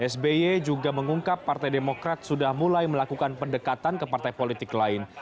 sby juga mengungkap partai demokrat sudah mulai melakukan pendekatan ke partai politik lain